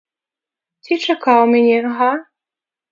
Ці чакаў мяне, га?